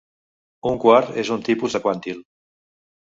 Un quartil és un tipus de quantil.